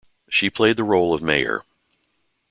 She played the role of mayor.